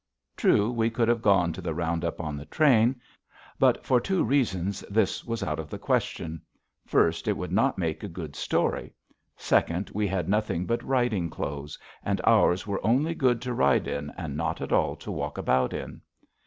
True, we could have gone to the round up on the train. But, for two reasons, this was out of the question. First, it would not make a good story. Second, we had nothing but riding clothes, and ours were only good to ride in and not at all to walk about in.